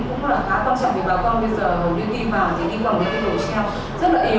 thì bà con bây giờ đi vào thì đi vào những cái đồ treo rất là yếu